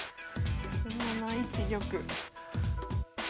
７一玉。